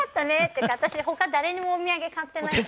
っていうか私他誰にもお土産買ってない。